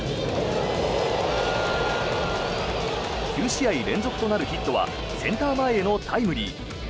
９試合連続となるヒットはセンター前へのタイムリー。